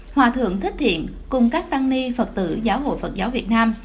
hòa thượng thích thiện cùng các tăng ni phật tử giáo hội phật giáo việt nam